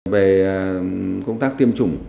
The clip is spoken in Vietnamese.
về công tác tiêm chủng